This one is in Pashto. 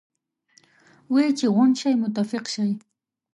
وې چې غونډ شئ متفق شئ.